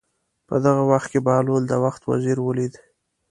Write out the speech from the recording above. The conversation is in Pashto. په دغه وخت کې بهلول د وخت وزیر ولید.